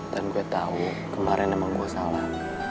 dan gue tau kemarin nama gue salah